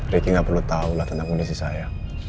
ricky gak perlu tahu lah tentang kondisi saya